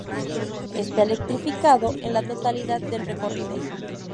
Está electrificado en la totalidad del recorrido.